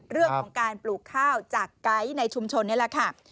เรื่องของการปลูกข้าวจากไก๊ในชุมชนนี่แหละค่ะ